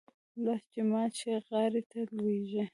لاس چې مات شي ، غاړي ته لوېږي .